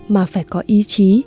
mà phải có ý chí